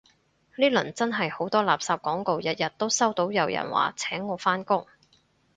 呢輪真係好多垃圾廣告，日日都收到有人話請我返工